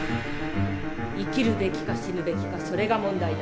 生きるべきか死ぬべきかそれが問題だ。